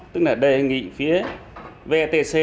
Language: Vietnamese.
tức là đề nghị phía vetc